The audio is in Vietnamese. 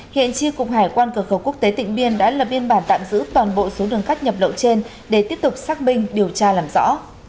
hiện tri cục hải quan cửa khẩu quốc tế tịnh biên đã lập biên bản tạm giữ toàn bộ số đường cát nhập lậu trên để tiếp tục xác minh điều tra làm rõ